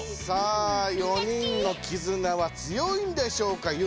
さあ４人のキズナは強いんでしょうか？